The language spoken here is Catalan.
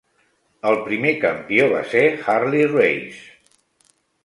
El primer campió va ser Harley Race.